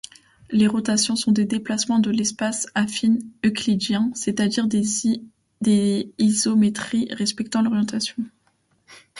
Les rotations sont des déplacements de l'espace affine euclidien, c'est-à-dire des isométries respectant l'orientation.